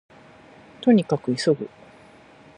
兎に角急ぐ